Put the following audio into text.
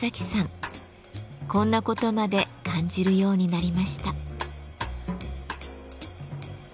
こんなことまで感じるようになりました。